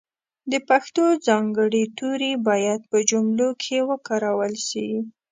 د پښتو ځانګړي توري باید په جملو کښې وکارول سي.